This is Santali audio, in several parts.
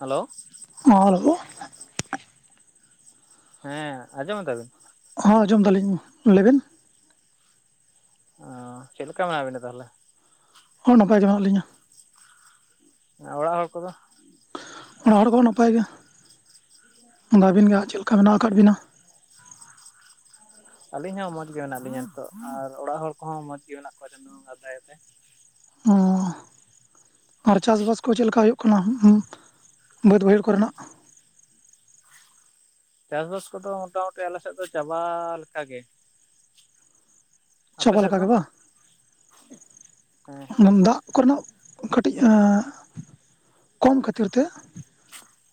ᱦᱮᱞᱳ ᱦᱚᱸ ᱦᱮᱞᱳ ᱦᱮᱸ ᱟᱸᱡᱚᱢ ᱫᱟᱵᱮᱱ ᱦᱚᱸ ᱟᱸᱡᱚᱢ ᱫᱟᱞᱤᱧ ᱞᱟᱹᱭᱵᱮᱱ ᱚᱜ ᱪᱮᱫ ᱞᱮᱠᱟ ᱢᱮᱢᱟ ᱵᱮᱱᱟ ᱛᱟᱦᱚᱞᱮ ᱦᱚᱸ ᱱᱟᱯᱟᱭ ᱜᱮ ᱢᱮᱱᱟᱜ ᱞᱤᱧᱟᱹ ᱟᱨ ᱚᱲᱟ ᱦᱚᱲ ᱠᱚᱫᱚ ᱚᱲᱟ ᱦᱚᱲ ᱠᱚᱦᱚᱸ ᱱᱟᱯᱟᱭ ᱜᱮ ᱟᱫᱚ ᱚ ᱟᱹᱵᱤᱱ ᱜᱮᱦᱟᱜ ᱪᱮᱫᱞᱮᱠᱟ ᱢᱮᱱᱟᱜ ᱟᱠᱟᱫ ᱵᱤᱱᱟ ᱟᱞᱤᱧ ᱦᱚᱸ ᱢᱚᱡᱽᱜ ᱜᱮ ᱢᱮᱱᱟᱜ ᱞᱤᱧᱟ ᱱᱤᱛᱚᱜ ᱟᱨ ᱚᱲᱟᱜ ᱦᱚᱲ ᱠᱚᱦᱚᱸ ᱢᱚᱸᱡᱽᱜ ᱜᱮ ᱢᱮᱱᱟᱜ ᱠᱚᱣᱟ ᱪᱟᱸᱫᱚ ᱵᱚᱹᱜᱟᱦᱟ ᱫᱟᱭᱟᱛᱮ ᱚᱦ ᱟᱨ ᱪᱟᱥ ᱵᱟᱥ ᱠᱚ ᱪᱮᱫ ᱞᱮᱠᱟ ᱦᱩᱭᱩᱜ ᱠᱟᱱᱟ ᱵᱟᱹᱫ ᱵᱟᱹᱭᱦᱟᱹᱲ ᱠᱚᱨᱮᱱᱟᱜ᱾ ᱪᱟᱥᱵᱟᱥ ᱠᱚᱫᱚ ᱢᱚᱴ ᱢᱩᱴᱤ ᱟᱞᱮ ᱥᱮᱫ ᱫᱚ ᱪᱟᱵᱟ ᱞᱮᱠᱟᱜ ᱜᱮᱺ ᱪᱚᱠᱟ ᱥᱮᱫ ᱞᱮᱠᱟ ᱫᱚ ᱜᱮ ᱦᱮᱸ ᱦᱮᱸ ᱵᱟᱝ ᱫᱟᱜ᱾ ᱠᱚᱨᱮᱱᱟᱜ ᱠᱟᱹᱴᱤᱡ ᱠᱚᱢ ᱠᱷᱟᱹᱛᱤᱨ ᱛᱮ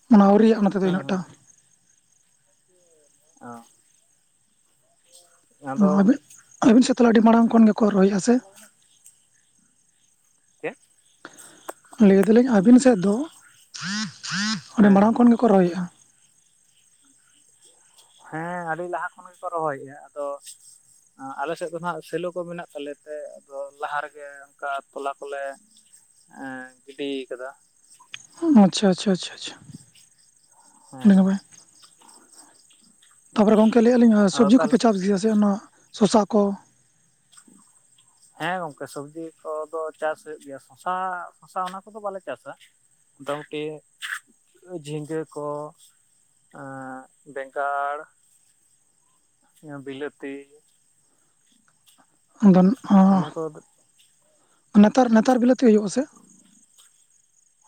ᱢᱟᱱᱮ ᱟᱣᱨᱤᱭᱟᱜᱼᱟ ᱱᱟᱛᱮ ᱫᱚ ᱦᱩᱸ ᱩᱱᱟᱹᱜᱴᱟ ᱦᱩᱸ ᱚ ᱟᱫᱚ ᱟᱹᱵᱤ ᱟᱹᱵᱤᱱ ᱥᱮᱫ ᱛᱟᱦ ᱟᱹᱰᱤ ᱢᱟᱲᱟᱝ ᱠᱷᱚᱱ ᱜᱮᱠᱚ ᱨᱚᱦᱚᱭᱮᱫᱼᱟ ᱥᱮ᱾ ᱪᱮᱫ ᱞᱟᱹᱭ ᱮᱫᱟᱞᱤᱧ ᱟᱹᱵᱤᱱ ᱥᱮᱫ ᱫᱚ ᱟᱹᱰᱤ ᱦᱮᱸ ᱢᱟᱲᱟᱝ ᱦᱮᱸ ᱠᱷᱚᱱ ᱜᱮᱠᱚ ᱨᱚᱦᱚᱭᱮᱫᱼᱟ? ᱦᱮᱸ ᱟᱹᱰᱤ ᱞᱟᱦᱟ ᱠᱷᱚᱱ ᱜᱮᱠᱚ ᱨᱚᱦᱚᱭᱮᱫᱟ ᱟᱫᱚ ᱟᱞᱮ ᱥᱮᱫ ᱫᱚ ᱱᱟᱜ ᱥᱮᱞᱚ ᱠᱚ ᱢᱮᱱᱟᱜ ᱛᱟᱞᱮᱱ ᱛᱮ ᱟᱫᱚ ᱞᱟᱦᱟ ᱨᱮᱜᱮ ᱚᱱᱠᱟ ᱛᱚᱞᱟ ᱠᱚᱞᱮ ᱮᱸ ᱜᱤᱰᱤᱭ ᱠᱟᱫᱟ᱾ ᱟᱪᱪᱷᱟᱪᱪᱷᱟ ᱟᱪᱷᱟ ᱪᱷᱟ᱾ ᱦᱮᱸ ᱛᱟᱯᱚᱨᱮ ᱜᱚᱝᱠᱮ ᱞᱟᱹᱭᱮ-ᱟᱞᱤᱧ ᱟᱫᱚ ᱥᱚᱵᱽᱡᱤ ᱛᱟᱦᱚᱞᱮ ᱠᱚᱯᱮ ᱪᱟᱥ ᱜᱮᱭᱟ ᱥᱮ ᱚᱱᱟ ᱥᱚᱥᱟ ᱠᱚ? [unintelligible] ᱦᱮᱸ ᱜᱚᱝᱠᱮ ᱥᱚᱵᱽᱡᱤ ᱠᱚᱫᱚ ᱪᱟᱥ ᱦᱩᱭᱩᱜ ᱜᱮᱭᱟ ᱥᱚᱥᱟ ᱥᱚᱥᱟ ᱚᱱᱟ ᱠᱚᱫᱚ ᱵᱟᱞᱮ ᱪᱟᱥᱥᱟᱹ᱾ ᱫᱚᱟᱹᱣᱴᱤ ᱡᱷᱤᱸᱜᱟᱹ ᱠᱚ᱾ ᱟᱸ ᱵᱮᱸᱜᱟᱲ ᱵᱤᱞᱟᱹᱛᱤ᱾ ᱟᱫᱚ ᱤᱱᱟᱹ ᱠᱚ ᱱᱮᱛᱟᱨ ᱱᱮᱛᱟᱨ ᱵᱤᱞᱟᱹᱛᱤ ᱦᱩᱭᱩᱜᱼᱟ ᱥᱮ᱾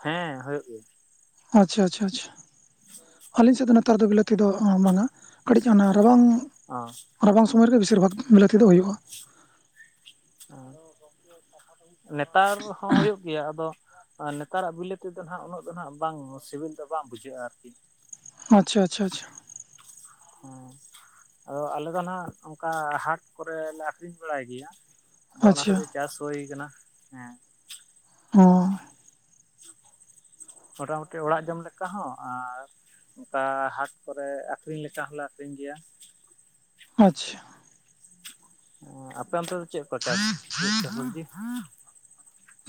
ᱦᱮᱸ ᱦᱩᱭᱩᱜ ᱜᱮᱭᱟ᱾ ᱟᱪᱪᱷᱟ ᱟᱪᱪᱷᱟ ᱟᱪᱷᱟ ᱟᱞᱤᱧ ᱥᱮᱫ ᱫᱚ ᱱᱮᱛᱟᱨ ᱫᱚ ᱵᱤᱞᱟᱹᱛᱤ ᱫᱚ ᱵᱟᱝ-ᱟ᱾ ᱠᱟᱹᱴᱤᱡ ᱨᱟᱵᱟᱝ, ᱚ ᱨᱟᱵᱟᱝ ᱥᱚᱢᱚᱭ ᱨᱮᱜᱮ ᱵᱮᱥᱤᱨ ᱵᱷᱟᱜᱽ ᱵᱤᱞᱟᱹᱛᱤ ᱫᱚ ᱦᱩᱭᱩᱜᱼᱟ᱾ [inaudible] ᱦᱮᱸ ᱱᱮᱛᱟᱨ ᱦᱚᱸ ᱦᱩᱭᱩᱜ ᱜᱮᱭᱟ ᱟᱫᱚ᱾ ᱟᱨ ᱱᱮᱛᱟᱨᱟᱜ ᱵᱤᱞᱟᱹ ᱛᱮᱫᱚ ᱱᱟᱜ ᱩᱱᱟᱹᱜ ᱫᱚ ᱱᱟᱜ ᱵᱟᱝ ᱥᱤᱵᱤᱞ ᱫᱚ ᱵᱟᱝ ᱵᱩᱡᱷᱟᱹᱜᱼᱟ ᱟᱨᱠᱤ᱾ ᱟᱪᱷᱟ ᱟᱪᱷᱟ ᱟᱪᱷᱟ᱾ ᱦᱮᱸ ᱟᱫᱚ ᱟᱞᱮ ᱫᱚ ᱱᱟᱜ ᱚᱱᱠᱟ ᱦᱟᱴ ᱠᱚᱨᱮᱞᱮ ᱟᱠᱷᱨᱤᱧ ᱵᱟᱲᱟᱭ ᱜᱮᱭᱟᱹ᱾ ᱟᱫᱚ ᱚᱱᱟ ᱟᱪᱪᱷᱟ ᱠᱷᱟᱹᱛᱤᱨ ᱪᱟᱥ ᱦᱩᱭ ᱟᱠᱟᱱᱟ ᱦᱮᱸ᱾ ᱚ [unintelligible] ᱢᱚᱴᱟᱢᱩᱴᱤ ᱚᱲᱟᱜ ᱡᱚᱢ ᱞᱮᱠᱟ ᱦᱚᱸ ᱟᱨ ᱚᱱᱠᱟ ᱦᱟᱴ ᱠᱚᱨᱮ ᱟᱠᱷᱨᱤᱧ ᱞᱮᱠᱟ ᱦᱚᱞᱮ ᱟᱠᱷᱨᱤᱧ ᱜᱮᱭᱟ᱾ ᱟᱪᱪᱷᱟ ᱟᱯᱮ ᱚᱱᱛᱮ ᱫᱚ ᱪᱮᱫ ᱠᱚ ᱪᱟᱥ ᱦᱩᱭᱩᱜ ᱛᱟᱦᱮᱱ ᱜᱮᱭᱟ᱾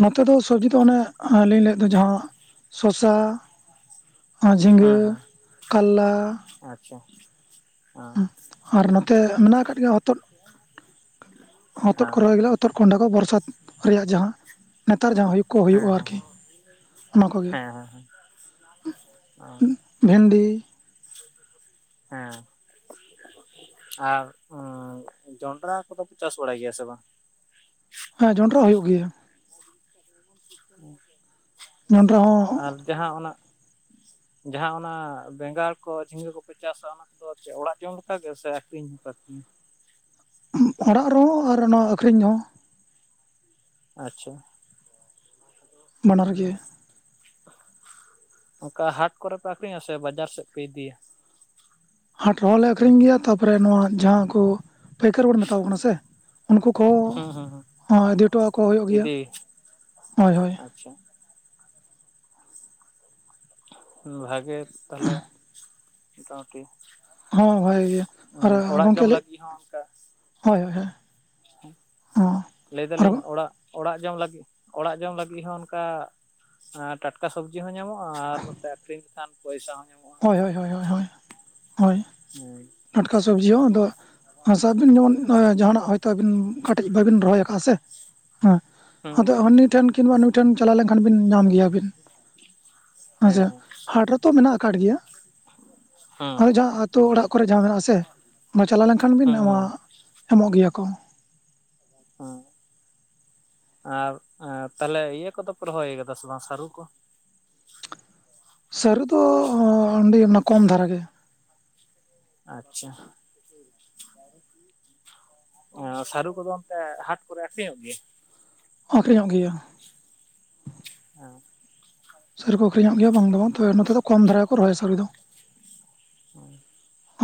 ᱱᱚᱛᱮ ᱫᱚ ᱥᱚᱵᱽᱡᱤ ᱫᱚ ᱚᱱᱮ ᱞᱤᱧ ᱞᱟᱹᱭᱮᱫ ᱫᱚ ᱡᱟᱦᱟᱸ ᱥᱚᱥᱟ ᱟᱨ ᱡᱷᱤᱸᱜᱟᱹ ᱦᱮᱸ ᱦᱮᱸ ᱠᱟᱞᱞᱟ᱾ ᱟᱪᱪᱷᱟ ᱦᱮᱸ ᱦ ᱟᱨ ᱱᱚᱛᱮ ᱢᱮᱱᱟᱜ ᱟᱠᱟᱫ ᱜᱮᱭᱟ ᱦᱚᱛᱚᱫ ᱦᱚᱛᱚᱫ ᱦᱮᱸ ᱠᱚ ᱨᱚᱦᱚᱭ ᱜᱮᱭ ᱦᱚᱛᱚᱨ ᱠᱸᱰᱟ ᱠᱚ ᱵᱚᱨᱥᱟ ᱨᱮᱭᱟᱜ ᱡᱟᱦᱟᱸ ᱱᱮᱛᱟᱨ ᱡᱟᱦᱟᱸ ᱦᱩᱭᱩᱜ ᱠᱚ ᱦᱮᱸ ᱦᱩᱭᱩᱜᱼᱟ ᱟᱨᱠᱤ᱾ ᱚᱱᱟ ᱠᱚᱜᱮ ᱦᱮᱸ ᱦᱮᱸ ᱦᱮᱸ ᱚ ᱵᱷᱮᱱᱰᱤ ᱦᱮᱸ ᱟᱨ ᱡᱚᱱᱰᱨᱟ ᱠᱚᱫᱚ ᱯ ᱪᱟᱥ ᱵᱟᱲᱟᱭ ᱜᱮᱭᱟ ᱥᱮ ᱵᱟᱝ? ᱦᱮᱸ ᱡᱚᱸᱰᱨᱟ ᱦᱩᱭᱩᱜ ᱜᱮᱭᱟ᱾ ᱦᱮ [inaudible] ᱡᱚᱸᱰᱨᱟ ᱦᱚᱸ ᱟᱨ ᱡᱟᱦᱟᱸ ᱚᱱᱟ ᱡᱟᱦᱟᱸ ᱚᱱᱟ ᱵᱮᱸᱜᱟᱲ ᱠᱚ ᱡᱷᱤᱸᱜᱟᱹ ᱠᱚᱯᱮ ᱪᱟᱥᱟ ᱚᱱᱟ ᱟᱫᱚ ᱪᱮᱫ ᱚᱲᱟᱜ ᱡᱚᱢ ᱞᱮᱠ ᱜᱮ ᱥᱮ ᱟᱠᱷᱨᱤᱧ ᱦᱚᱸ ᱟᱠᱷᱨᱤᱧᱟ ᱞᱮᱠᱟ? ᱚᱲᱟᱜ ᱨᱮᱦᱚᱸ ᱟᱨ ᱚᱱᱟ ᱟᱹᱠᱷᱨᱤᱧ ᱦᱚᱸ᱾ ᱟᱪᱪᱷᱟ ᱵᱟᱱᱟᱨ ᱜᱮ ᱚᱠᱟ ᱦᱟᱴ ᱠᱚᱨᱮᱯᱮ ᱟᱠᱷᱨᱤᱧᱟ ᱥᱮ ᱵᱟᱡᱟᱨ ᱥᱮᱫ ᱯᱮ ᱤᱫᱤᱭᱟ? ᱦᱟᱴ ᱨᱮᱦᱚᱸᱞᱮ ᱟᱠᱷᱨᱤᱧ ᱜᱮᱭᱟ ᱛᱟᱨᱯᱚᱨᱮ ᱱᱚᱣᱟ ᱡᱟᱦᱟᱸ ᱠᱚ᱾ ᱯᱟᱹᱭᱠᱟᱹᱨᱤ ᱵᱚᱱ ᱢᱮᱛᱟ ᱠᱚ ᱠᱟᱱᱟ ᱥᱮ ᱩᱱᱠᱩ ᱠᱚᱦᱚᱸ ᱦᱩᱸ ᱦᱩᱸ ᱦᱩᱸ ᱤᱫᱤ ᱦᱚᱴᱚ ᱟᱠᱚ ᱦᱩᱭᱩᱜ ᱜᱮᱭᱟ᱾ ᱤᱫᱤ ᱦᱳᱭ ᱦᱳᱭ ᱟᱪᱪᱷᱟ ᱵᱷᱟᱜᱮ ᱛᱟᱦᱞᱮ ᱢᱚᱴᱟᱢᱩᱴᱤ ᱦᱳᱭ ᱵᱷᱟᱜ ᱜᱮ ᱟᱨ ᱚᱲᱟᱜ ᱜᱚᱝᱠᱮ ᱡᱚᱢ ᱞᱟᱹᱜ ᱞᱟᱹᱜᱤᱫ ᱦᱚᱸ ᱚᱱᱠᱟ ᱦᱳᱭ ᱦᱳᱭ᱾ ᱦᱚᱸ ᱞᱟᱹᱭ ᱟᱨ ᱫᱟᱞᱤᱧ ᱚᱲᱟᱜ ᱚᱲᱟᱜ ᱡᱚᱢ ᱞᱟᱹᱜᱤᱫ ᱚᱲᱟᱜ ᱡᱚᱢ ᱞᱟᱹᱜᱤᱫ ᱦᱚᱸ ᱚᱱᱠᱟ ᱴᱟᱴᱠᱟ ᱥᱚᱵᱡᱤ ᱦᱚᱸ ᱧᱟᱢᱚᱜ? ᱟᱨ ᱱᱚᱛᱮ ᱟᱠᱷᱨᱤᱧ ᱞᱮᱠᱷᱟᱱ ᱯᱚᱭᱥᱟ ᱦᱚᱸ ᱧᱟᱢᱚᱜᱼᱟ᱾ ᱦᱩᱸ ᱦᱳᱭ ᱦᱳᱭ ᱦᱳᱭ ᱦᱳᱭ ᱦᱳᱭ ᱴᱟᱴᱠᱟ ᱥᱚᱵᱽᱡᱤ ᱦᱚᱸ ᱟᱫᱚ ᱦᱟᱥᱟ ᱫᱤᱱ ᱡᱮᱢᱚᱱ ᱡᱟᱦᱱᱟᱜ ᱦᱚᱭᱛᱳ ᱠᱟᱹᱴᱤᱡ ᱵᱟᱵᱤᱱ ᱨᱚᱦᱚᱭ ᱠᱟᱜᱼᱟ ᱥᱮ ᱦᱮᱸ ᱦᱩᱸ ᱟᱫᱚ ᱦᱩᱸ ᱦᱟᱱᱤ ᱴᱷᱮᱱ ᱠᱤᱱᱵᱟ ᱱᱩᱭ ᱴᱷᱮᱱ ᱪᱟᱞᱟᱣ ᱞᱮᱱᱠᱷᱟᱱ ᱵᱤᱱ ᱧᱟᱢ ᱜᱮᱭᱟᱵᱤᱱ᱾ ᱦᱮᱸ ᱦᱮᱸᱥᱮ ᱦᱟᱴ ᱨᱮᱛᱚ ᱢᱮᱱᱟᱜ ᱠᱟᱫ ᱜᱮᱭᱟ ᱦᱮᱸ ᱦᱳᱭ ᱡᱟᱦᱟᱸ ᱟᱛᱳ ᱚᱲᱟᱜ ᱠᱚᱨᱮ ᱡᱟᱦᱟᱸ ᱢᱮᱱᱟᱜ ᱟᱥᱮ ᱚᱱᱟ ᱪᱟᱞᱟᱣ ᱞᱮᱱᱠᱷᱟᱱ ᱵᱤᱱ ᱦᱮᱸ ᱦᱮᱸ ᱧᱟᱢᱟ ᱦᱮᱸ ᱮᱢᱚᱜ ᱜᱮᱭᱟ ᱠᱚ᱾ ᱦᱮᱸ ᱟᱨ ᱮᱸ ᱛᱟᱦᱞᱮ ᱤᱭᱟᱹ ᱠᱚᱫᱚ ᱯᱮ ᱨᱚᱦᱚᱭ ᱠᱟᱫᱟ ᱥᱮ ᱵᱟᱝ ᱥᱟᱹᱨᱩ ᱠᱚ? ᱥᱟᱹᱨᱩ ᱫᱚ ᱮᱸ ᱟᱹᱱᱰᱤ ᱚᱱᱟ ᱠᱚᱢ ᱫᱷᱟᱨᱟ ᱜᱮ᱾ ᱟᱪᱪᱷᱟ ᱮᱸ ᱥᱟᱹᱨᱩ ᱠᱚᱫᱚ ᱚᱱᱛᱮ ᱦᱟᱴ ᱠᱚᱨᱮ ᱟᱠᱷᱨᱤᱧᱚᱜ ᱜᱮᱭᱟ? ᱟᱹᱠᱷᱨᱤᱧᱚᱜ ᱜᱮᱭᱟ᱾ ᱦᱮᱸ ᱥᱟᱹᱨᱩ ᱠᱚ ᱟᱹᱠᱷᱨᱤᱧᱚᱜ ᱜᱮᱭᱟ ᱵᱟᱝ ᱫᱚ ᱵᱟᱝ ᱛᱚᱵᱮ ᱱᱚᱛᱮ ᱫᱚ ᱠᱚᱢ ᱫᱷᱟᱨᱟ ᱠᱚ ᱨᱚᱦᱚᱭᱟ ᱥᱟᱹᱨᱩ ᱫᱚ᱾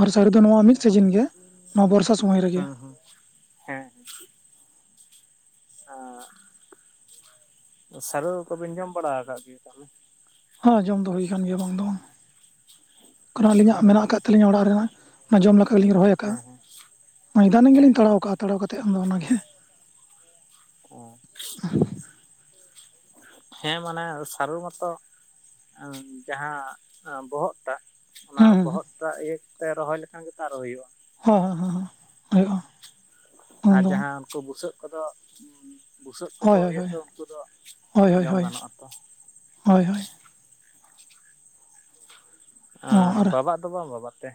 ᱟᱨ ᱥᱟᱹᱨᱩ ᱫᱚ ᱱᱚᱣᱟ ᱢᱤᱫ ᱥᱤᱡᱤᱱ ᱜᱮ ᱱᱚᱣᱟ ᱵᱚᱨᱥᱟ ᱥᱚᱢᱚᱭ ᱨᱮᱜᱮ᱾ ᱟᱪᱟ ᱦᱮᱸ ᱦᱮᱸ ᱟᱸ ᱥᱟᱹᱨᱩ ᱠᱚᱵᱤᱱ ᱡᱚᱢ ᱵᱟᱲᱟ ᱠᱟᱜ ᱜᱮᱭᱟ ᱛᱟᱦᱞᱮ? ᱦᱮᱸ ᱡᱚᱢ ᱫᱚ ᱦᱩᱭ ᱟᱠᱟᱱ ᱜᱮᱭᱟ ᱵᱟᱝ ᱫᱚ ᱵᱟᱝ᱾ ᱠᱟᱨᱚᱱ ᱟᱹᱞᱤᱧᱟᱜ ᱦᱮᱸ ᱢᱮᱱᱟᱜ ᱠᱟᱜ ᱛᱟᱹᱞᱤᱧᱟ ᱚᱲᱟᱜ ᱨᱮ ᱚᱱᱟ ᱡᱚᱢ ᱞᱮᱠᱟ ᱞᱤᱧ ᱨᱚᱦᱚᱭ ᱠᱟᱜᱼᱟ᱾ ᱦᱮᱸ ᱢᱚᱭᱫᱟᱱᱤ ᱦᱮᱸ ᱜᱮᱞᱤᱧ ᱛᱟᱲᱟᱣ ᱠᱟᱟᱜᱼᱟ ᱛᱟᱲᱟᱣ ᱠᱟᱛᱮᱫ ᱟᱫᱚ ᱚᱱᱟᱜᱮ᱾ ᱚ ᱦᱮᱸ ᱢᱟᱱᱮ ᱥᱟᱨᱩ ᱢᱚᱛᱚ ᱚ ᱡᱟᱦᱟᱸ ᱵᱚᱦᱚᱜ ᱴᱟᱜ ᱚᱱᱟ ᱦᱮᱸ ᱵᱚᱦᱚᱜᱴᱟᱜ ᱤᱭᱟᱹ ᱠᱟᱛᱮ ᱨᱚᱦᱚᱭ ᱞᱮᱠᱷᱟᱱ ᱜᱮᱛᱚ ᱟᱨᱚ ᱦᱩᱭᱩᱜᱼᱟ᱾ ᱦᱮᱸ ᱦᱮᱸ ᱦᱮᱸ ᱦᱩᱭᱩᱜᱼᱟ᱾ ᱟᱨ ᱩᱱ ᱫᱚ ᱵᱟᱝ᱾ ᱡᱟᱦᱟᱸ ᱩᱱᱠᱩ ᱵᱩᱥᱟᱹᱜ ᱠᱚᱫᱚ ᱵᱩᱥᱟᱹᱜ ᱠᱚᱠᱚ ᱦᱳᱭ ᱦᱳᱭ ᱤᱭᱟᱹᱜ ᱦᱳᱭ ᱫᱚ ᱩᱱᱠᱩ ᱫᱚ ᱦᱳᱭ ᱦᱳᱭ ᱡᱚᱢ ᱦᱳᱭ ᱜᱟᱱᱚᱜᱼᱟ ᱛᱚ᱾ ᱦᱳᱭ ᱦᱳᱭ ᱟᱨ ᱵᱟᱵᱟᱜ ᱫᱚ ᱵᱟᱝ ᱵᱟᱵᱟᱛ ᱛᱮ?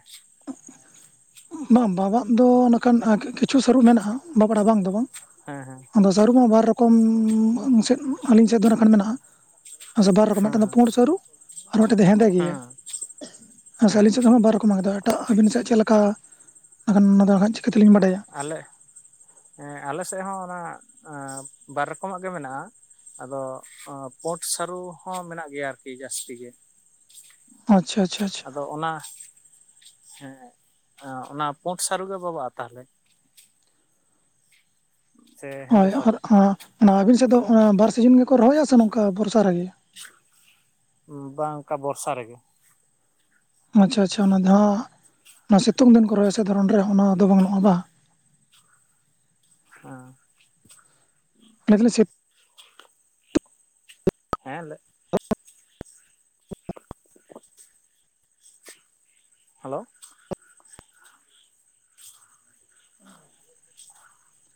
ᱵᱟᱝ ᱵᱟᱵᱟᱫ ᱫᱚ ᱱᱚᱝᱠᱟᱱ ᱠᱤᱪᱷᱩ ᱥᱟᱹᱨᱩ ᱢᱮᱱᱟᱜᱼᱟ ᱵᱟᱵᱟᱫᱼᱟ ᱵᱟᱝ ᱫᱚ ᱵᱟᱝ᱾ ᱦᱮᱸ ᱦᱮᱸ ᱟᱫᱚ ᱥᱟᱹᱨᱩᱢᱟ ᱵᱟᱨ ᱨᱚᱠᱚᱢ ᱥᱮᱫ ᱟᱹᱞᱤᱧ ᱥᱮᱫ ᱫᱚ ᱱᱟᱜ ᱠᱷᱟᱱ ᱢᱮᱱᱟᱜᱼᱟ᱾ ᱟᱪᱪᱷᱟ ᱵᱟᱨ ᱨᱚᱠᱚᱢ ᱦᱮᱸ ᱢᱤᱫᱴᱮᱱ ᱫᱚ ᱦᱮᱸ ᱯᱩᱸᱰ ᱥᱟᱹᱨᱩ᱾ ᱟᱨ ᱢᱤᱫᱴᱟᱝ ᱫᱚ ᱦᱮᱸᱫᱮ ᱜᱮᱭᱟ ᱦᱮᱸ ᱦᱮᱸ ᱟᱹᱞᱤᱧ ᱥᱮᱫ ᱫᱚ ᱦᱚᱸᱜ ᱵᱟᱨ ᱨᱚᱠᱚᱢ ᱢᱟ, ᱟᱫᱚ ᱮᱴᱟᱜ ᱟᱹᱵᱤᱱ ᱥᱮᱫ ᱪᱮᱫ ᱞᱮᱠᱟ ᱮᱠᱷᱟᱱ ᱚᱱᱟᱫᱚ ᱱᱟᱦᱟᱜ ᱪᱤᱠᱟᱹᱛᱮᱞᱤᱧ ᱵᱟᱰᱟᱭᱟ᱾ ᱟᱞᱮᱸ ᱮᱸ ᱟᱞᱮᱥᱮᱜ ᱦᱚᱸ ᱚᱱᱟ ᱵᱟᱨ ᱨᱚᱠᱚᱢᱟᱜ ᱜᱮ ᱢᱮᱱᱟᱜᱼᱟ᱾ ᱟᱫᱚ ᱚᱸ ᱯᱩᱸᱰ ᱥᱟᱹᱨᱩ ᱦᱚᱸ ᱢᱮᱱᱟᱜ ᱜᱮᱭᱟ ᱟᱨᱠᱤ ᱡᱟᱹᱥᱛᱤ ᱜᱮ᱾ ᱚ ᱟᱪᱪᱷᱟ ᱟᱪᱷᱟ ᱟᱫᱚ ᱚᱱᱟ ᱦᱮᱸ ᱚᱱᱟ ᱯᱩᱸᱰ ᱥᱟᱹᱨᱩᱜᱮ ᱵᱟᱵᱟᱜᱼᱟ ᱛᱟᱦᱞᱮ? ᱥᱮ ᱦᱳᱭ ᱦᱮᱸᱫᱮ ᱥᱟᱹᱨᱩ ᱟᱨ ᱚᱱᱟ ᱟᱹᱵᱤᱱ ᱥᱮᱫ ᱫᱚ ᱵᱟᱨ ᱥᱤᱡᱤᱱ ᱜᱮᱠᱚ ᱨᱚᱦᱚᱭᱟ ᱥᱮ ᱱᱚᱝᱠᱟ ᱵᱚᱨᱥᱟ ᱨᱮᱜᱮ? ᱵᱟᱝ ᱚᱝᱠᱟ ᱵᱚᱨᱥᱟ ᱨᱮᱜᱮ᱾ ᱟᱪᱪᱷᱟ ᱟᱪᱪᱷᱟ ᱚᱱᱟ ᱫᱚᱦᱟᱸᱜ ᱚᱱᱟ ᱥᱤᱛᱩᱝ ᱫᱤᱱ ᱠᱚ ᱨᱚᱦᱚᱭᱟ ᱥᱮ ᱫᱷᱚᱨᱚᱱ ᱨᱮ ᱚᱱᱟ ᱫᱚ ᱵᱟᱝ ᱱᱚᱭᱟ ᱵᱟ ᱦᱮᱸ [unintelligible] ᱦᱮᱸ ᱞᱮᱜ ᱦᱮᱞᱳ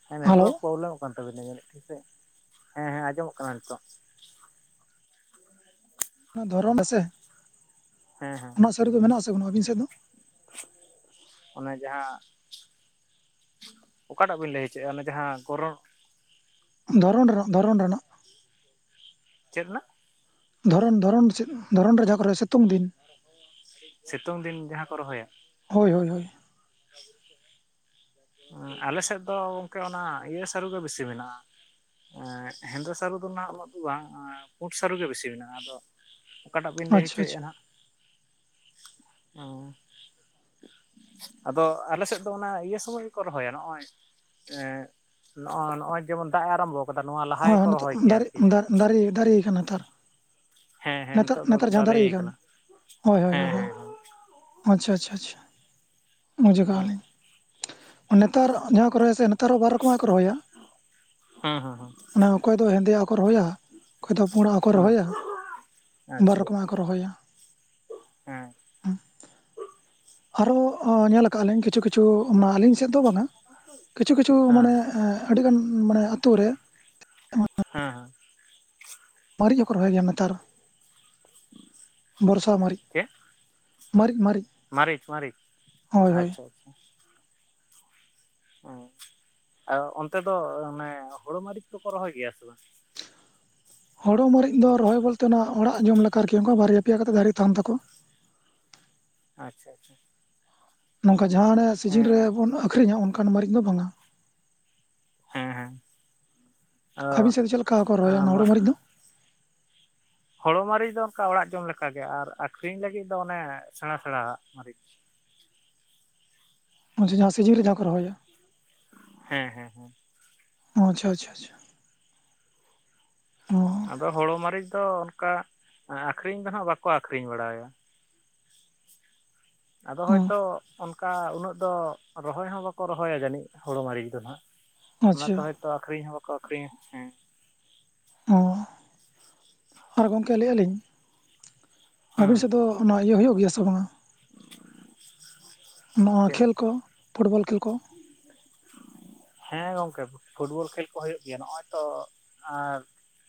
ᱦᱮᱸ ᱦᱮᱞᱳ ᱱᱮᱴᱣᱟᱨᱠ ᱯᱨᱚᱵᱞᱮᱢᱚᱜ ᱠᱟᱱ ᱛᱟᱹᱵᱤᱱᱟ ᱡᱟᱹᱱᱤᱡ ᱴᱷᱤᱠ ᱥᱮ ᱾ ᱦᱮᱸ ᱦᱮᱸ ᱟᱸᱡᱚᱢᱚᱜ ᱠᱟᱱᱟ ᱱᱤᱛᱚᱜ ᱫᱷᱚᱨᱚᱱ ᱨᱮᱥᱮ ᱦᱮᱸ ᱦᱮᱸ ᱚᱱᱟ ᱥᱟ ᱨᱮᱫᱚ ᱢᱮᱱᱟᱜ ᱟᱥᱮ ᱵᱟᱝ ᱟᱹᱵᱤᱱ ᱥᱮᱫ ᱫᱚ ᱚᱱᱮ ᱡᱟᱦᱟᱸ ᱚᱠᱟᱴᱟᱜ ᱵᱤᱱ ᱞᱟᱹᱭ ᱦᱚᱪᱮᱜᱼᱟ ᱚᱱᱮ ᱡᱟᱦᱟᱸ ᱜᱚᱨᱚᱢ ᱫᱷᱚᱨᱚᱱ ᱨᱮᱱᱟᱜ ᱫᱷᱚᱨᱚᱱ ᱨᱮᱱᱟᱜ ᱪᱮᱫ ᱨᱮᱱᱟᱜ ᱫᱷᱚᱨᱚᱱ ᱫᱷᱚᱨᱚᱱ ᱪᱮᱫ ᱫᱷᱚᱨᱚᱱ ᱨᱮ ᱡᱟᱦᱟᱸ ᱠᱚ ᱨᱚᱦᱚᱭᱟ ᱥᱤᱛᱩᱝ ᱫᱤᱱ ᱥᱤᱛᱩᱝ ᱫᱤᱱ ᱡᱟᱦᱟᱸ ᱠᱚ ᱨᱚᱦᱚᱭᱟ ᱦᱳᱭ ᱦᱳᱭ ᱦᱳᱭ ᱚᱸ ᱟᱞᱮ ᱥᱮᱫ ᱫᱚ ᱜᱚᱢᱠᱮ ᱚᱱᱟ ᱤᱭᱟᱹ ᱥᱟᱹᱨᱩ ᱜᱮ ᱵᱮᱥᱤ ᱢᱮᱱᱟᱜᱼᱟ ᱮᱸ ᱦᱮᱸᱫᱮ ᱥᱟᱹᱨᱩ ᱫᱚ ᱩᱱᱟᱹᱜ ᱫᱚ ᱵᱟᱝ ᱯᱩᱸᱰ ᱥᱟᱹᱨᱩ ᱜᱮ ᱵᱮᱥᱤ ᱢᱮᱱᱟᱜᱼᱟ ᱟᱫᱚ ᱚᱠᱟᱴᱟᱜ ᱵᱤᱱ ᱞᱮᱭ ᱟᱪᱪᱷᱟ ᱦᱚᱪᱚᱭᱮᱜᱼᱟ ᱟᱪᱪᱷᱟ ᱦᱟᱸᱜ ᱚᱸ ᱟᱫᱚ ᱟᱞᱮ ᱥᱮᱫ ᱫᱚ ᱚᱱᱟ ᱤᱭᱟᱹ ᱥᱚᱢᱚᱭ ᱨᱚᱦᱚᱭᱟ ᱱᱚᱜᱼᱚᱭ ᱱᱚᱜᱼᱚᱭ ᱡᱮᱢᱚᱱ ᱫᱟᱜ ᱮ ᱟᱨᱟᱢᱵᱚ ᱠᱟᱫᱟ ᱱᱚᱣᱟ ᱞᱟᱦᱟ ᱦᱳᱭ ᱦᱳᱭ ᱜᱮᱠᱚ ᱱᱤᱛᱚᱜ ᱨᱚᱦᱚᱭ ᱠᱮᱭᱟ ᱫᱟᱨᱮ ᱟᱨᱠᱤ ᱫᱟ- ᱫᱟᱨᱮ ᱫᱟᱨᱮ ᱠᱟᱱᱟ ᱱᱮᱛᱟᱨ ᱦᱮᱸ ᱦᱮᱸ ᱱᱮᱛᱟᱨ ᱱᱤᱛᱚᱜ ᱫᱚ ᱱᱮᱛᱟᱨ ᱡᱟᱦᱟ ᱫᱟᱨᱮ ᱠᱟᱱ ᱟᱠᱟᱱᱟ ᱦᱳᱭ ᱦᱳᱭ ᱦᱮᱸ ᱦᱳᱭ ᱦᱮᱸ ᱟᱪᱪᱷᱟ ᱟᱪᱪᱷᱟ ᱟᱪᱪᱷᱟ ᱵᱩᱡᱷᱽ ᱠᱟᱜᱼᱟ ᱞᱤᱧ ᱦᱮᱸ ᱱᱮᱛᱟᱨ ᱡᱟᱦᱟᱸ ᱠᱚ ᱨᱚᱦᱚᱭᱟ ᱥᱮ ᱱᱮᱛᱟᱨ ᱦᱚᱸ ᱵᱟᱨ ᱨᱚᱠᱚᱢᱟᱜ ᱜᱮᱠᱚ ᱨᱚᱦᱚᱭᱟ ᱦᱩᱸ ᱦᱩᱸ ᱦᱩᱸ ᱟᱱᱟ ᱚᱠᱚᱭ ᱫᱚ ᱦᱮᱸᱫᱮᱭᱟᱜ ᱠᱚ ᱨᱚᱦᱚᱭᱟ ᱚᱠᱚᱭ ᱫᱚ ᱯᱩᱲᱟᱜ ᱠᱚ ᱦᱮᱸ ᱨᱚᱦᱚᱭᱟ ᱵᱟᱨ ᱟᱪᱪᱷᱟ ᱨᱚᱠᱚᱢᱟᱜ ᱨᱚᱦᱚᱭᱟ ᱦᱮᱸ ᱟᱨᱦᱚ ᱟᱸ ᱧᱮᱞ ᱠᱟᱜ ᱟᱞᱤᱧ ᱠᱤᱪᱷᱩ ᱠᱤᱪᱷᱩ ᱚᱱᱟ ᱟᱹᱞᱤᱧ ᱥᱮᱫ ᱫᱚ ᱵᱟᱝᱼᱟ ᱠᱤᱪᱷᱩ ᱠᱤᱪᱷᱩ ᱦᱮᱸ ᱢᱟᱱᱮ ᱟᱹᱰᱤᱜᱟᱱ ᱢᱟᱱᱮ ᱟᱛᱳ ᱨᱮ ᱦᱮᱸ ᱦᱮᱸ ᱢᱟᱹᱨᱤᱡ ᱦᱚᱸᱠᱚ ᱨᱚᱦᱚᱭ ᱜᱮᱭᱟ ᱱᱮᱛᱟᱨ ᱵᱚᱨᱥᱟ ᱢᱟᱹᱨᱤᱡ ᱪᱮᱫ ᱢᱟᱹᱨᱤᱡ ᱢᱟᱹᱨᱤᱡ ᱢᱟᱹᱨᱤᱪ ᱢᱟᱹᱨᱤᱪ ᱟᱪᱪᱷᱟ ᱚᱸ ᱟᱨ ᱚᱱᱛᱮ ᱫᱚ ᱚᱱᱮ ᱦᱩᱲᱩ ᱢᱟᱹᱨᱤᱪ ᱠᱚᱠᱚ ᱨᱚᱦᱚᱭ ᱜᱮᱭᱟ ᱥᱮ ᱵᱟᱝ ᱦᱳᱲᱳ ᱢᱟᱹᱨᱤᱪ ᱫᱚ ᱨᱚᱦᱚᱭ ᱵᱚᱞᱛᱮ ᱚᱱᱟ ᱚᱲᱟᱜ ᱡᱚᱢ ᱞᱮᱠᱟ ᱟᱨᱠᱤ ᱵᱟᱨᱭᱟ ᱯᱮᱭᱟ ᱠᱟᱛᱮᱜ ᱫᱟᱨᱮ ᱛᱟᱦᱮᱱ ᱛᱟᱠᱚᱣᱟ ᱟᱪᱪᱷᱟ ᱟᱪᱪᱷᱟ ᱱᱚᱝᱠᱟ ᱡᱟᱦᱟᱸ ᱚᱱᱮ ᱥᱤᱡᱤᱱ ᱦᱮᱸ ᱨᱮᱵᱚᱱ ᱟᱹᱠᱷᱨᱤᱧᱟ ᱚᱱᱠᱟᱱ ᱢᱟᱹᱨᱤᱪ ᱫᱚ ᱵᱟᱝᱼᱟ ᱦᱮᱸ ᱦᱮᱸ ᱟᱫᱚ ᱟᱹᱵᱤᱱ ᱥᱮᱫ ᱫᱚ ᱪᱮᱫ ᱞᱮᱠᱟ ᱠᱚ ᱨᱚᱦᱚᱭᱟ ᱟᱸ ᱚᱱᱟ ᱦᱳᱲᱳ ᱢᱟᱹᱨᱤᱪ ᱫᱚ ᱦᱳᱲᱳ ᱢᱟᱹᱨᱤᱪ ᱫᱚ ᱚᱱᱠᱟ ᱚᱲᱟᱜ ᱡᱚᱢ ᱞᱮᱠᱟᱜᱮ ᱟᱨ ᱟᱠᱷᱨᱤᱧ ᱞᱟᱹᱜᱤᱫ ᱫᱚ ᱚᱱᱮ ᱥᱮᱬᱟ ᱥᱮᱬᱟ ᱟᱜ ᱢᱟᱹᱨᱤᱪ ᱚᱱᱮ ᱡᱟᱦᱟᱸ ᱥᱤᱡᱤᱱ ᱨᱮ ᱡᱟᱦᱟᱸ ᱠᱚ ᱨᱚᱦᱚᱭᱟ ᱦᱮᱸ ᱦᱮᱸ ᱦᱮᱸ ᱚ ᱟᱪᱪᱷᱟ ᱟᱪᱪᱷᱟ ᱟᱪᱪᱷᱟ ᱚ ᱟᱫᱚ ᱦᱳᱲᱳ ᱢᱟᱹᱨᱤᱪ ᱫᱚ ᱚᱱᱠᱟ ᱟᱠᱷᱨᱤᱧ ᱫᱚ ᱦᱟᱜ ᱵᱟᱠᱚ ᱟᱠᱷᱨᱤᱧ ᱵᱟᱲᱟᱭᱟ ᱟᱫᱚ ᱦᱚᱭᱛᱚ ᱚᱱ ᱚᱱᱠᱟ ᱩᱱᱟᱹᱜ ᱫᱚ ᱨᱚᱦᱚᱭ ᱦᱚᱸ ᱵᱟᱠᱚ ᱨᱚᱦᱚᱭᱟ ᱡᱟᱹᱱᱤᱡ ᱦᱳᱲᱳ ᱢᱟᱹᱨᱤᱪ ᱫᱚ ᱦᱟᱜ ᱚ ᱚᱱᱟᱛᱮ ᱟᱪᱪᱷᱟ ᱛᱚ ᱟᱠᱷᱨᱤᱧ ᱦᱚᱸ ᱵᱟᱠᱚ ᱟᱠᱷᱨᱤᱧᱟ ᱦᱮᱸ ᱚᱸ ᱟᱨ ᱜᱚᱢᱠᱮ ᱞᱟᱹᱭᱮᱼᱟᱜ ᱞᱤᱧ ᱦᱮᱸ ᱟᱹᱵᱤᱱ ᱥᱮᱫ ᱫᱚ ᱚᱱᱟ ᱤᱭᱟᱹ ᱦᱳᱭᱳᱜ ᱜᱮᱭᱟ ᱥᱮ ᱵᱟᱝᱼᱟ ᱱᱚᱣᱟ ᱪᱮᱫ ᱠᱷᱮᱹᱞ ᱠᱚ ᱯᱷᱩᱴᱵᱚᱞ ᱠᱷᱮᱹᱞ ᱠᱚ [inaudible] ᱦᱮᱸ ᱜᱚᱢᱠᱮ ᱯᱷᱩᱴᱵᱚᱞ ᱠᱷᱮᱞ ᱠᱚ ᱦᱩᱭᱩᱜ ᱜᱮᱭᱟ ᱱᱚᱜᱼᱚᱭ ᱛᱚ ᱟᱨ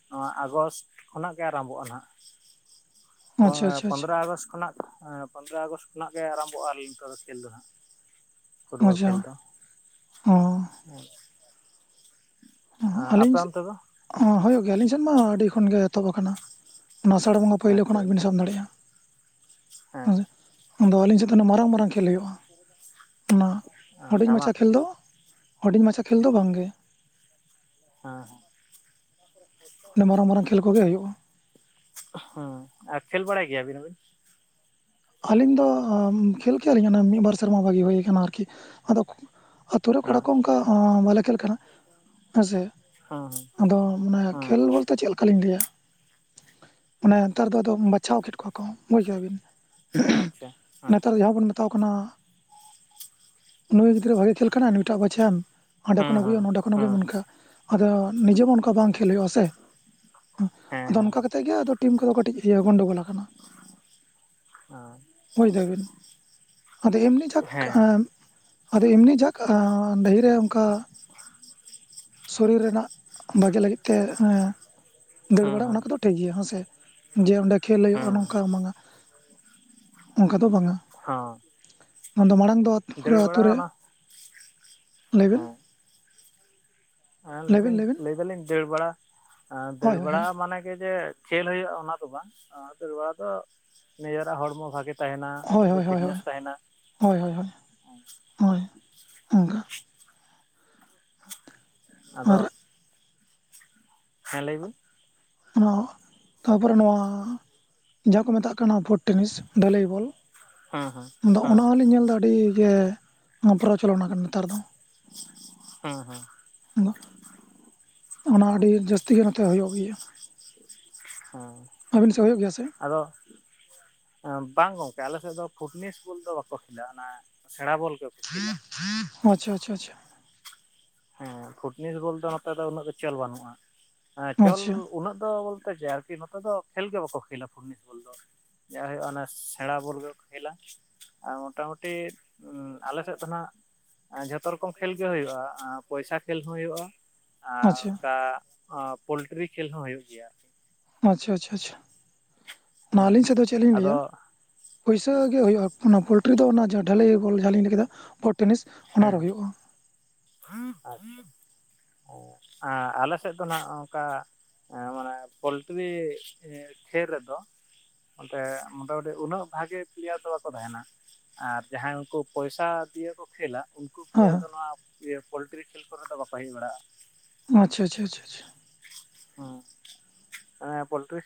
ᱱᱚᱣᱟ ᱟᱜᱚᱥᱴ ᱠᱷᱚᱱᱟᱜ ᱜᱮ ᱟᱨᱟᱢᱵᱚᱜᱼᱟ ᱱᱟᱦᱟᱜ ᱯᱚᱸ ᱟᱪᱪᱷᱟ ᱟᱪᱪᱷᱟ ᱟᱪᱪᱷᱟ ᱯᱚᱸᱫᱽᱨᱟ ᱟᱜᱚᱥ ᱠᱷᱚᱱᱟᱜ ᱯᱚᱸᱫᱽᱨᱟ ᱟᱜᱚᱥ ᱠᱷᱚᱱᱟᱜ ᱜᱮ ᱟᱨᱚᱢᱵᱚᱜᱼᱟ ᱞᱤᱝ ᱛᱚ ᱫᱚ ᱠᱷᱮᱞ ᱫᱚ ᱦᱟᱜ᱾ ᱯᱷᱩᱴᱵᱚᱞ ᱟᱪᱪᱷᱟ ᱠᱷᱮᱞ ᱫᱚ ᱚ ᱟᱯᱮ ᱟᱹᱞᱤᱧᱡ ᱚᱱᱛᱮ ᱫᱚ ᱦᱚᱸ ᱦᱩᱭᱩᱜ ᱜᱮᱭᱟ ᱟᱹᱞᱤᱧ ᱥᱮᱱ ᱢᱟ ᱟᱹᱰᱤ ᱠᱷᱚᱱᱜᱮ ᱮᱛᱚᱦᱚᱵ ᱟᱠᱟᱱᱟ᱾ ᱚᱱᱟ ᱟᱥᱟᱲ ᱵᱚᱸᱜᱟ ᱯᱳᱭᱞᱳ ᱟᱪᱪᱷᱟ ᱠᱷᱚᱱᱟᱜ ᱵᱤᱱ ᱟᱪᱪᱷᱟ ᱥᱮᱱ ᱫᱟᱲᱤᱜᱼᱟ, ᱦᱮᱸ ᱟᱫᱚ ᱟᱹᱞᱤᱧ ᱥᱮᱫ ᱫᱚ ᱚᱱᱟ ᱢᱟᱨᱟᱝ ᱢᱟᱨᱟᱝ ᱠᱷᱮ ᱠᱷᱮᱹᱞ ᱦᱩᱭᱩᱜᱼᱟ, ᱚᱱᱟ ᱦᱩᱰᱤᱧ ᱢᱟᱪᱷᱟ ᱫᱷᱟᱢᱟᱠᱟ ᱠᱷᱮᱹᱞ ᱫᱚ ᱦᱩᱰᱤᱧ ᱢᱟᱪᱷᱟ ᱠᱷᱮᱞ ᱫᱚ ᱵᱟᱝᱜᱮ᱾ ᱦᱮᱸ ᱦᱮᱸ᱾ ᱚᱱᱮ ᱢᱟᱨᱟᱝ ᱢᱟᱨᱟᱝ ᱠᱷᱮᱹᱞ ᱠᱚᱜᱮ ᱦᱩᱭᱩᱜᱼᱟ᱾ ᱦᱮᱸ, ᱟᱨ ᱠᱷᱮᱹᱞ ᱵᱟᱲᱟᱭ ᱜᱮᱭᱟᱵᱤᱱ ᱟᱵᱮᱱ? ᱟᱹᱞᱤᱧ ᱫᱚ ᱠᱷᱮᱹᱞ ᱠᱮᱭᱟ ᱞᱤᱧ ᱚᱱᱟ ᱢᱤᱫ ᱵᱟᱨ ᱥᱮᱨᱢᱟ ᱵᱷᱟᱹᱜᱤ ᱦᱩᱭ ᱠᱟᱱᱟ ᱟᱨᱠᱤ, ᱟᱫᱚ ᱟᱛᱩ ᱨᱮ ᱠᱚᱲᱟ ᱦᱮᱸ ᱠᱚ ᱚᱝᱠᱟ ᱵᱟᱞᱮ ᱠᱷᱮᱹᱞ ᱠᱟᱱᱟ ᱦᱮᱸᱥᱮ᱾ ᱦᱮᱸ ᱟᱫᱚ ᱢᱟᱱᱮ ᱦᱮᱸ ᱠᱷᱮᱹᱞ ᱵᱚᱞ ᱛᱚ ᱪᱮᱫ ᱞᱮᱠᱟᱞᱤᱧ ᱞᱟᱹᱭᱟ ᱢᱟᱱᱮ ᱱᱮᱛᱟᱨ ᱫᱚ ᱟᱫᱚ ᱵᱟᱪᱷᱟᱣ ᱠᱮᱫ ᱠᱚᱣᱟ ᱠᱚ ᱵᱩᱡᱷ ᱠᱮᱫᱟ ᱵᱤᱱ᱾ ᱟᱪᱪᱷᱟ ᱦᱮᱸ ᱱᱮᱛᱟᱨ ᱡᱟᱦᱟᱸ ᱵᱚᱱ ᱢᱮᱛᱟᱣ ᱠᱟᱱᱟ ᱱᱩᱭ ᱜᱤᱫᱽᱨᱟᱹ ᱵᱷᱟᱜᱮ ᱠᱷᱮᱹᱞ ᱠᱟᱱᱟ ᱱᱩᱭᱴᱟᱜ ᱵᱟᱪᱷᱟᱣ ᱮᱢ ᱦᱟᱸᱰᱮ ᱦᱮᱸ ᱠᱷᱚᱱ ᱦᱮᱸ ᱟᱜᱩᱭᱮᱢ ᱱᱚᱸᱰᱮ ᱚᱱᱮ ᱦᱮᱸ ᱚᱱᱠᱟ ᱟᱫᱚ ᱱᱤᱡᱮ ᱢᱟ ᱚᱱᱠᱟ ᱵᱟᱝ ᱠᱷᱮᱹᱞ ᱦᱩᱭᱩᱜᱼᱟ ᱥᱮ᱾ ᱦᱩᱸ, ᱦᱮᱸ ᱟᱫᱚ ᱚᱱᱠᱟ ᱠᱟᱛᱮᱜ ᱜᱮ ᱟᱫᱚ ᱴᱤᱢ ᱠᱚᱫᱚ ᱠᱟᱹᱴᱤᱡ ᱤᱭᱟᱹ ᱜᱚᱱᱰᱳᱜᱳᱞ ᱟᱠᱟᱱᱟ᱾ ᱦᱮᱸ ᱵᱩᱡᱽ ᱫᱟᱹᱵᱤᱱ, ᱟᱫᱚ ᱮᱢᱱᱤ ᱡᱟᱸᱠ ᱦᱮᱸ ᱟᱸ ᱟᱫᱚ ᱮᱢᱱᱤ ᱡᱟᱠ ᱟᱸ ᱰᱟᱹᱦᱤᱨᱮ ᱚᱝᱠᱟ ᱥᱚᱨᱤᱨ ᱨᱮᱱᱟᱜ ᱵᱷᱟᱜᱮ ᱞᱟᱹᱜᱤᱫ ᱛᱮ ᱮᱸ ᱫᱟᱹᱲ ᱦᱮᱸ ᱵᱟᱲᱟ ᱦᱮᱸ ᱚᱱᱟ ᱠᱚᱫᱚ ᱴᱷᱤᱠ ᱜᱮᱭᱟ ᱦᱚᱸ ᱥᱮ᱾ ᱡᱮ ᱚᱸᱰᱮ ᱠᱷᱮᱹᱞ ᱦᱩᱭᱩᱜᱼᱟ ᱦᱮᱸ ᱱᱚᱝᱠᱟ ᱦᱚᱸ ᱵᱟᱝᱟ᱾ ᱚᱝᱠᱟ ᱫᱚ ᱵᱟᱝᱟ, ᱦᱮᱸ ᱟᱫᱚ ᱢᱟᱲᱟᱝ ᱫᱚ ᱫᱟᱹᱲ ᱵᱟᱲᱟᱣ ᱚᱱᱟ ᱞᱟᱹᱭ ᱵᱤᱱ᱾ ᱟᱞ ᱞᱟᱹᱭᱵᱤᱱ ᱞᱟᱹᱭᱫᱟᱹᱧ ᱞᱟᱹᱭᱵᱤᱱ ᱞᱟᱹᱭ ᱫᱟᱹᱞᱤᱧ ᱫᱟᱹᱲ ᱵᱟᱲᱟ, ᱟᱸᱻ ᱫᱟᱹᱲ ᱦᱳᱭ ᱦᱳᱭ ᱵᱟᱲᱟ ᱢᱟᱱᱮ ᱜᱮ ᱡᱮ ᱠᱷᱮᱹᱞ ᱦᱩᱭᱩᱜᱼᱟ ᱚᱱᱟ ᱫᱚ ᱵᱟᱝ ᱫᱟᱹᱲ ᱵᱟᱲᱟ ᱫᱚ ᱱᱤᱡᱮᱨᱟᱜ ᱦᱚᱲᱢᱚ ᱵᱷᱟᱜᱮ ᱛᱟᱦᱮᱱᱟ ᱦᱳᱭ ᱟᱹᱰᱤ ᱦᱳᱭ ᱦᱳᱭ ᱦᱳᱭ ᱯᱷᱤᱴᱱᱮᱥ ᱛᱟᱦᱮᱱᱟ᱾ ᱦᱳᱭ ᱚᱝᱠᱟ᱾ ᱟᱫᱚ, ᱟᱨ ᱦᱮᱸ ᱞᱟᱹᱭ ᱵᱤᱱ᱾ ᱟᱫᱚ, ᱛᱟᱯᱚᱨᱮ ᱱᱚᱣᱟ ᱡᱟᱦᱟᱸ ᱠᱚ ᱢᱮᱛᱟᱜ ᱠᱟᱱᱟ ᱯᱷᱩᱴ ᱴᱮᱱᱤᱥ ᱰᱷᱟᱹᱞᱤ ᱵᱚᱞ ᱦᱮᱸ ᱦᱮᱸ ᱟᱫᱚ ᱦᱮᱸ ᱚᱱᱟ ᱦᱚᱞᱤᱧ ᱧᱮᱞᱫᱟ ᱟᱹᱰᱤ ᱜᱮ ᱚᱱᱟ ᱯᱨᱚᱪᱚᱞᱚᱱ ᱟᱠᱟᱱ ᱱᱮᱛᱟᱨ ᱫᱚ᱾ ᱦᱮᱸ ᱦᱮᱸ᱾ ᱦᱩᱸ, ᱚᱱᱟ ᱦᱚᱸ ᱟᱹᱰᱤ ᱡᱟᱹᱥᱛᱤ ᱜᱮ ᱱᱚᱛᱮ ᱦᱩᱭᱩᱜ ᱜᱮᱭᱟ᱾ ᱦᱚᱸ᱾ ᱟᱵᱤᱱ ᱥᱮᱜ ᱦᱩᱭᱚᱜ ᱜᱮᱭᱟ ᱥᱮ? ᱟᱫᱚ ᱵᱟᱝ ᱜᱚᱝᱠᱮ ᱟᱞᱮ ᱥᱮᱫ ᱫᱚ ᱯᱷᱩᱴᱤᱥ ᱵᱚᱞ ᱫᱚ ᱵᱟᱠᱚ ᱠᱷᱮᱞᱟ ᱚᱱᱟ ᱥᱮᱬᱟ ᱵᱚᱞ ᱠᱚ ᱟᱪᱪᱷᱟ ᱟᱪᱪᱷᱟ ᱟᱪᱪᱷᱟ᱾ ᱦᱮᱸ ᱯᱷᱩᱴᱱᱤᱥ ᱵᱚᱞ ᱫᱚ ᱱᱚᱛᱮ ᱫᱚ ᱩᱱᱟᱹᱜ ᱫᱚ ᱪᱚᱞ ᱵᱟᱹᱱᱩᱜᱼᱟ, ᱦᱮᱸ ᱪᱚᱞ ᱟᱪᱪᱷᱟ ᱩᱱᱟᱹᱜ ᱫᱚ ᱵᱚᱞᱛᱮ ᱡᱮ ᱟᱨᱠᱤ ᱱᱚᱛᱮ ᱫᱚ ᱠᱷᱮᱹᱞ ᱜᱮ ᱵᱟᱠᱚ ᱠᱷᱮᱹᱞᱟ ᱯᱷᱩᱴᱱᱤᱥ ᱵᱚᱞ ᱫᱚ᱾ ᱡᱟ ᱦᱩᱭᱩᱜᱼᱟ ᱚᱱᱟ ᱥᱮᱬᱟ ᱵᱚᱞ ᱜᱮᱠᱚ ᱠᱷᱮᱞᱟ᱾ ᱟᱨ ᱢᱚᱴᱟᱢᱩᱴᱤ ᱟᱞᱮ ᱥᱮᱫ ᱫᱚ ᱱᱟᱦᱟᱜ ᱡᱷᱚᱛᱚ ᱨᱚᱠᱚᱢ ᱠᱷᱮᱹᱞ ᱜᱮ ᱦᱩᱭᱩᱜᱼᱟ᱾ ᱮᱸᱜ ᱯᱚᱭᱥᱟ ᱠᱷᱮᱹᱞ ᱦᱚᱸ ᱦᱩᱭᱩᱜᱼᱟ, ᱟᱨ ᱟᱪᱪᱷᱟ ᱚᱝᱠᱟ ᱮᱸᱻ ᱯᱳᱞᱴᱨᱤ ᱠᱷᱮᱹᱞ ᱦᱚᱸ ᱦᱩᱭᱩᱜ ᱜᱮᱭᱟ᱾ ᱟᱪᱪᱷᱟ ᱟᱪᱪᱷᱟ ᱟᱪᱪᱷᱟ, ᱟᱱᱟ ᱦᱮᱸ ᱟᱞᱤᱧ ᱥᱮᱫ ᱫᱚ ᱪᱮᱫ ᱞᱤᱧ ᱟᱫᱚ ᱞᱟᱹᱭᱟ? ᱯᱩᱭᱥᱟᱹ ᱜᱮ ᱦᱩᱭᱩᱜᱼᱟ ᱚᱱᱟ ᱯᱳᱞᱴᱨᱤ ᱫᱚ ᱚᱱᱟ ᱡᱟᱦᱟᱸ ᱰᱷᱟᱹᱞᱟᱹᱭ ᱵᱚᱞ ᱡᱟᱦᱟᱸ ᱞᱤᱧ ᱞᱟᱹᱭ ᱠᱮᱫᱟ ᱯᱷᱳᱨ ᱴᱮᱱᱤᱥ ᱚᱱᱟ ᱨᱮ ᱦᱮᱭᱮᱜᱼᱟ᱾ ᱟᱪᱪᱷᱟ, ᱟᱻ ᱟᱞᱮ ᱥᱮᱫ ᱫᱚ ᱱᱟᱜ ᱚᱝᱠᱟ ᱮᱸ ᱢᱟᱱᱮ ᱯᱳᱞᱴᱨᱤ ᱠᱷᱮᱹᱞ ᱨᱮᱫᱚ ᱚᱱᱛᱮ ᱢᱚᱴᱟᱢᱩᱴᱤ ᱩᱱᱟᱹᱜ ᱵᱷᱟᱜᱮ ᱯᱞᱮᱭᱟᱨ ᱫᱚ ᱵᱟᱠᱚ ᱛᱟᱦᱮᱱᱟ᱾ ᱟᱨ ᱡᱟᱦᱟᱸᱭ ᱩᱝᱠᱩ ᱯᱚᱭᱥᱟ ᱫᱤᱭᱮ ᱠᱚ ᱠᱷᱮᱹᱞᱟ ᱩᱝᱠᱩ ᱦᱮᱸ ᱯᱞᱮᱭᱟᱨ ᱫᱚ ᱱᱚᱣᱟ ᱯᱳᱞᱴᱨᱤ ᱠᱷᱮᱹᱞ ᱠᱚᱨᱮ ᱫᱚ ᱵᱟᱠᱚ ᱦᱮᱡ ᱵᱟᱲᱟᱜᱼᱟ᱾ ᱟᱪᱪᱷᱟ ᱟᱪᱪᱷᱟ ᱟᱪᱪᱷᱟ ᱦᱚᱸ ᱦᱮᱻᱸ ᱯᱳᱚᱞᱴᱨᱤ